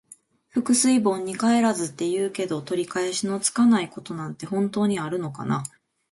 「覆水盆に返らず」って言うけど、取り返しのつかないことなんて本当にあるのかな。